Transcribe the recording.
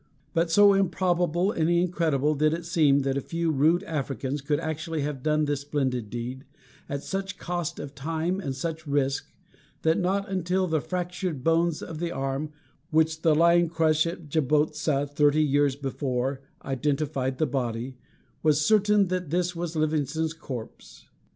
But so improbable and incredible did it seem that a few rude Africans could actually have done this splendid deed, at such a cost of time and such risk, that not until the fractured bones of the arm, which the lion crushed at Jabotsa thirty years before, identified the body, was certain that this was Livingstone's corpse.